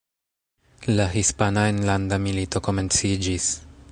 La Hispana Enlanda Milito komenciĝis.